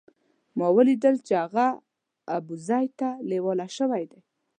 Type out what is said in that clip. ما ولیدل چې هغه ابوزید ته لېوال شوی دی.